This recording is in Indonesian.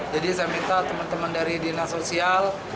jadi saya minta teman teman dari dinasosial